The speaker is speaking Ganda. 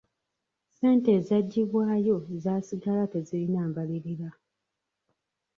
Ssente ezagibwayo zasigala tezirina mbalirira.